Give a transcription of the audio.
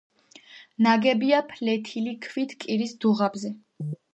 ნაგებია ფლეთილი ქვით კირის დუღაბზე.